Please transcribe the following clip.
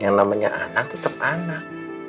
yang namanya anak tetap anak